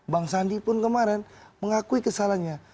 bang sandi pun kemarin mengakui kesalahannya